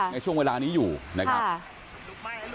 ในช่วงเวลานี้อยู่นะครับ